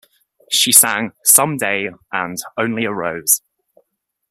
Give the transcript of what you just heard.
She sang "Some Day" and "Only a Rose".